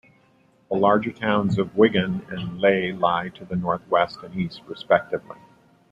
The larger towns of Wigan and Leigh lie to the northwest and east respectively.